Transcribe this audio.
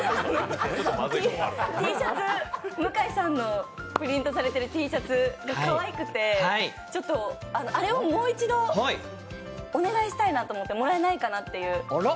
向井さんのプリントされているＴシャツがかわいくてちょっと、あれをもう一度お願いしたいなと思ってもらえないかなって。